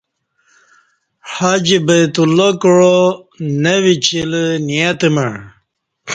حج بیت اللہ کعا نہ وچیلہ نیت مع